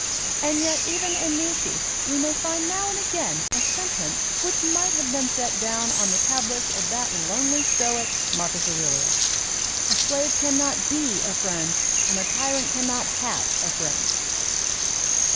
And yet even in Nietzsche we may find now and again a sentence which might have been set down on the tablets of that lonely stoic, Marcus Aurelius: "A slave cannot be a friend and a tyrant cannot have a friend."